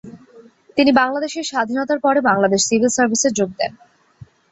তিনি বাংলাদেশের স্বাধীনতার পরে বাংলাদেশ সিভিল সার্ভিসে যোগ দেন।